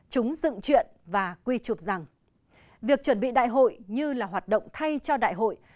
chúng dựng chuyện và quy trục rằng việc chuẩn bị đại hội như là hoạt động thay cho đại hội